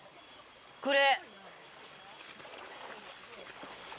これ。